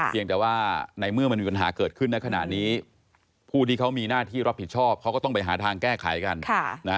เพียงแต่ว่าในเมื่อมันมีปัญหาเกิดขึ้นในขณะนี้ผู้ที่เขามีหน้าที่รับผิดชอบเขาก็ต้องไปหาทางแก้ไขกัน